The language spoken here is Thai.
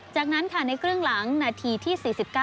จากนั้นในเกรื่องหลังนาทีที่๔๙